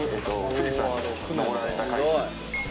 富士山に登られた回数。